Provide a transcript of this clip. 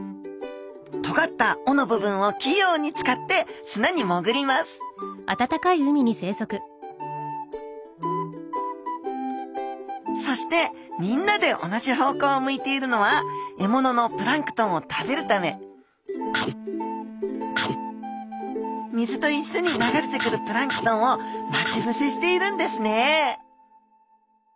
とがった尾の部分を器用に使って砂にもぐりますそしてみんなで同じ方向を向いているのは獲物のプランクトンを食べるため水といっしょに流れてくるプランクトンを待ちぶせしているんですね！